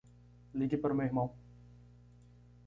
Ligue para o meu irmão.